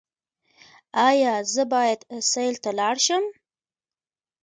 ایا زه باید سیل ته لاړ شم؟